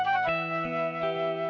kamu juga sama